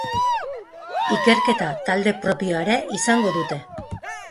Ikerketa talde propioa ere izango dute.